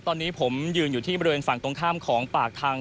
ตอนนี้ผมยืนอยู่ที่บริเวณฝั่งตรงข้ามของปากทาง